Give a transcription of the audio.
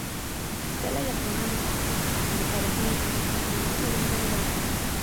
پسرلی د افغانانو د فرهنګي پیژندنې برخه ده.